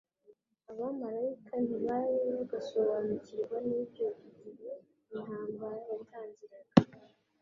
Abamaraika ntibari bagasobanukirwa n'ibyo igihe intambara yatangiraga.